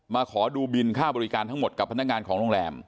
ขอดูบินค่าบริการทั้งหมดกับพนักงานของโรงแรม